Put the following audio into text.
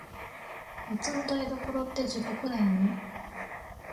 夏の台所って、地獄だよね。